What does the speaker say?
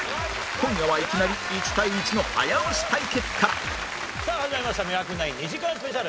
今夜はいきなり１対１の早押し対決からさあ始まりました『ミラクル９』２時間スペシャル。